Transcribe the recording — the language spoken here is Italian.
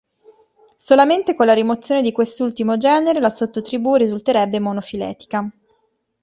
Solamente con la rimozione di quest'ultimo genere la sottotribù risulterebbe monofiletica.